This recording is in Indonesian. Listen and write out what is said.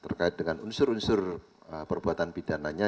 terkait dengan unsur unsur perbuatan pidananya